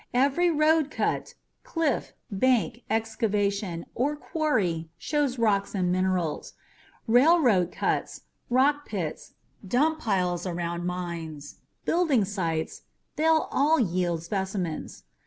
Every road cut, cliff, bank, excavation, or quarry shows rocks and minerals. Railroad cuts, rock pits, dump piles around mines, building sites they'll all yield specimens.